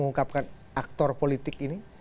mengungkapkan aktor politik ini